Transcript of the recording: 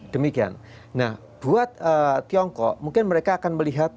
demikian nah buat tiongkok mungkin mereka akan melihat